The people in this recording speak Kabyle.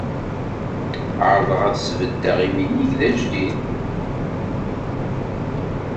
Ɛerḍeɣ ad sbeddeɣ iminig d ajdid.